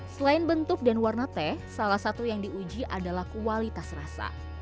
selain bentuk dan warna teh salah satu yang diuji adalah kualitas rasa